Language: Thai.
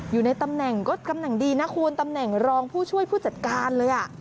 อยู่ในตำแหน่งก็ตำแหน่งดีนะคุณตำแหน่งรองผู้ช่วยผู้จัดการเลย